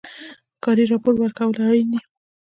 کاري راپور ورکول اړین دي